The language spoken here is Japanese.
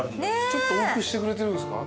ちょっと多くしてくれてるんすか？